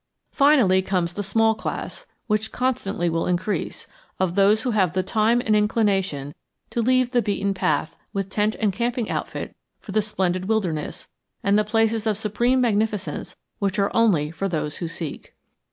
Finally comes the small class, which constantly will increase, of those who have the time and inclination to leave the beaten path with tent and camping outfit for the splendid wilderness and the places of supreme magnificence which are only for those who seek.